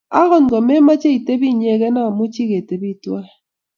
Angot komemoche itepi inyegei, amuchi ketepi tuwai.